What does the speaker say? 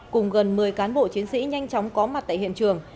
cùng gần một mươi cán bộ chiến sĩ nhanh chóng có mặt tại hiện trường